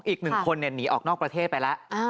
อีกหนึ่งคนเนี่ยหนีออกนอกประเทศไปแล้ว